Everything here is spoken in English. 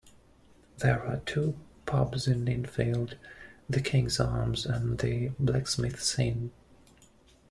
There are two pubs in Ninfield - "The Kings Arms" and the "Blacksmiths Inn".